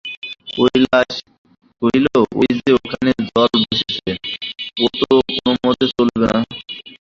কৈলাস কহিল, ঐ-যে ওখানে জল বসছে, ও তো কোনোমতে চলবে না।